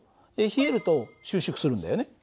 冷えると収縮するんだよね。